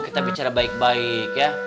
kita bicara baik baik ya